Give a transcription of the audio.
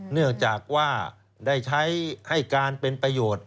เนื่องจากว่าได้ใช้ให้การเป็นประโยชน์